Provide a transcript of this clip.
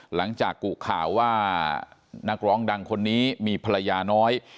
กุข่าวว่านักร้องดังคนนี้มีภรรยาน้อย